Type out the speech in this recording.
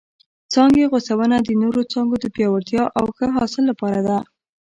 څانګې غوڅونه د نورو څانګو د پیاوړتیا او ښه حاصل لپاره ده.